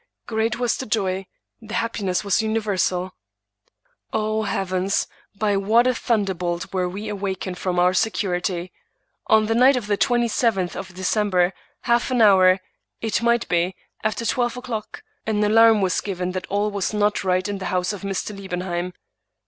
Great was the joy; the happiness was universal. O heavens! by what a thunderbolt were we awakened from our security! On the night of the twenty seventh of December, half an hour, it might be, after twelve o'clock, an alarm was given that all was not right in the house of Mr. Liebenheim.